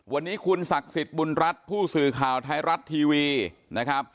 วันนี้คุณศักดิ์สิทธิ์บุญรัฐผู้สื่อข่าวไทยรัฐทีวีนะครับ